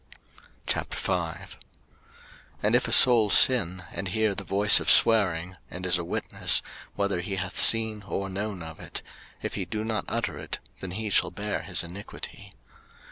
03:005:001 And if a soul sin, and hear the voice of swearing, and is a witness, whether he hath seen or known of it; if he do not utter it, then he shall bear his iniquity.